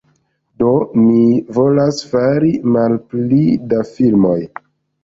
Do mi volas fari malpli da filmoj